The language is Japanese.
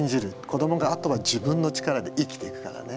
子どもがあとは自分の力で生きていくからね。